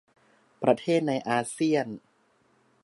ประเทศในอาเซียน